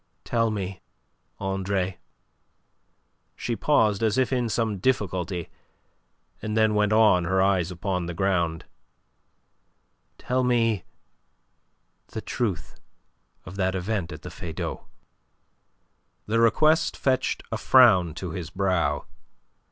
"Tell me, Andre." She paused, as if in some difficulty, and then went on, her eyes upon the ground: "Tell me the truth of that event at the Feydau." The request fetched a frown to his brow.